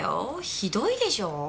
ひどいでしょお？